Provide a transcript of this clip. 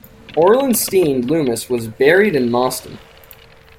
Orland Steen Loomis was buried in Mauston.